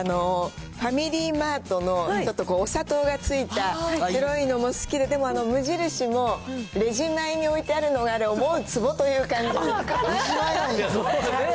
ファミリーマートの、ちょっとこう、お砂糖がついた、黒いのも好きで、でも無印のレジ前に置いてあるのが、あれ、思うレジ前なんや。